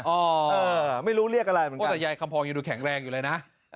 เออไม่รู้เรียกอะไรเหมือนกันแต่ยายคำพองยังดูแข็งแรงอยู่เลยนะ